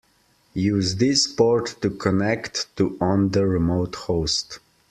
Use this port to connect to on the remote host.